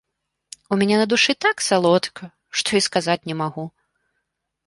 У мяне на душы так салодка, што і сказаць не магу.